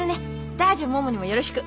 ダッドやももにもよろしく。